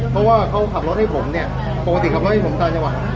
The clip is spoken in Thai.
เพราะว่าเขาขับรถให้ผมเนี่ยปกติขับรถให้ผมต่างจังหวัด